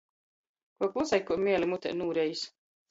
Kuo klusej kai mēli mutē nūrejs.